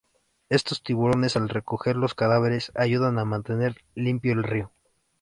Estos tiburones al recoger los cadáveres, ayudan a mantener limpio el río.